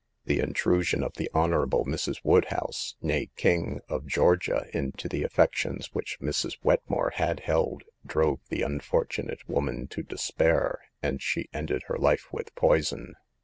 The intrusion of the Hon. Mrs. Wodehouse, nee King, of Georgia, into the af fections which Mrs. Wetmore had held, drove the unfortunate woman to despair, and she ended her life with poison.